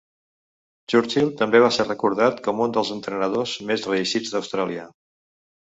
Churchill també va ser recordat com un dels entrenadors més reeixits d'Austràlia.